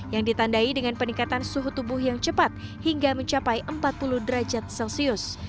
yang ditandai dengan peningkatan suhu tubuh yang cepat hingga mencapai empat puluh derajat celcius